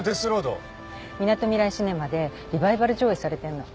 みなとみらいシネマでリバイバル上映されてるの。